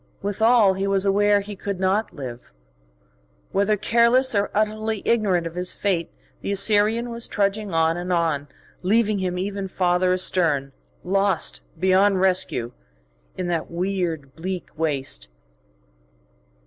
Withal he was aware he could not live. Whether careless or utterly ignorant of his fate, the Assyrian was trudging on and on, leaving him ever farther astern, lost beyond rescue in that weird, bleak waste.